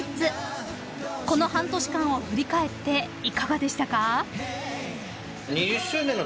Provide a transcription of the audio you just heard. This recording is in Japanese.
［この半年間を振り返っていかがでしたか？］